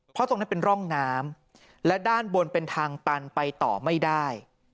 เพราะตรงนั้นเป็นร่องน้ำและด้านบนเป็นทางตันไปต่อไม่ได้